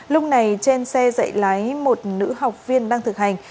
lúc này trên xe dạy lái một nữ học viên đang thực hành